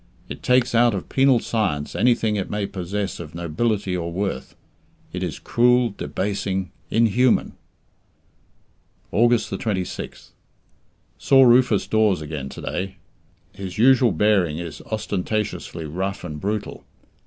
It takes out of penal science anything it may possess of nobility or worth. It is cruel, debasing, inhuman. August 26th. Saw Rufus Dawes again to day. His usual bearing is ostentatiously rough and brutal.